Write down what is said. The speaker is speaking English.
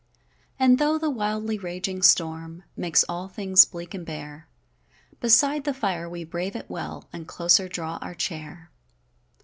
And, though the wildly raging storm Makes all things bleak and bare, Beside the fire we brave it well, And closer draw our chair.